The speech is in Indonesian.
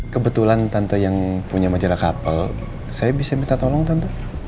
kebetulan tante yang punya majalah kapal saya bisa minta tolong tante